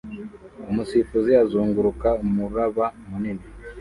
umusifuzi uzunguruka umuraba munini